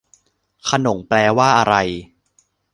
ขนงแปลว่าอะไร